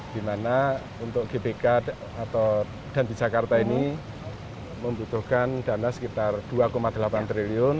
dimana untuk gbk dan di jakarta ini membutuhkan dana sekitar dua delapan triliun